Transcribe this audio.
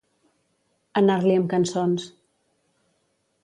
Anar-li amb cançons.